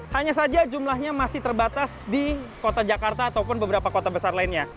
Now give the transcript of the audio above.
hanya saja jumlahnya masih terbatas di kota jakarta ataupun beberapa kota besar lainnya